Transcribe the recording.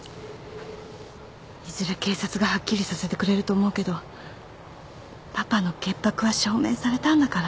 いずれ警察がはっきりさせてくれると思うけどパパの潔白は証明されたんだから。